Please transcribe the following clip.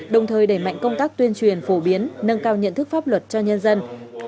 đồng thời đẩy mạnh công tác tuyên truyền phổ biến nâng cao nhận thức pháp luật cho nhân dân